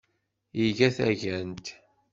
Iga tagant.